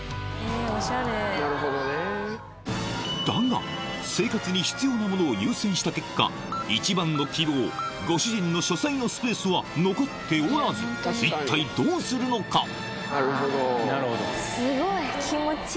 だが生活に必要なものを優先した結果一番の希望ご主人の書斎のスペースは残っておらず一体どうするのか？